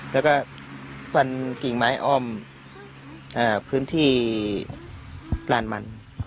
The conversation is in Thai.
แล้วก็ปั่นกิ๊กไม้อ้อมอ่าพื้นที่ดานมัน